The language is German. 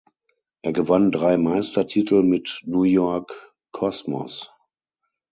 Er gewann drei Meistertitel mit New York Cosmos.